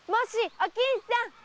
おきんさん！